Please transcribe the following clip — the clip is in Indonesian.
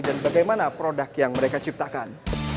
dan bagaimana produk yang mereka ciptakan